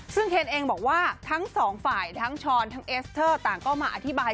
ซึ่งเคนเองบอกว่าทั้งสองฝ่ายทั้งช้อนทั้งเอสเตอร์ต่างก็มาอธิบาย